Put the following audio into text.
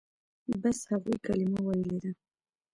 بس هغوى کلمه ويلې ده.